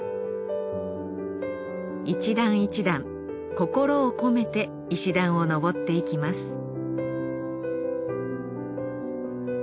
一段一段心を込めて石段を上っていきます